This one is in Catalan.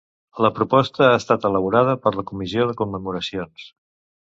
La proposta ha estat elaborada per la Comissió de Commemoracions.